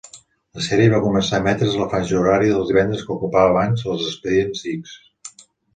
La sèrie va començar a emetre's a la franja horària del divendres que ocupava abans "Els expedients X".